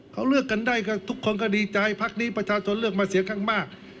เขาเลือกกันได้ทุกคนก็ดีใจพักนี้ประชาชนเลือกมาเสียข้างมาก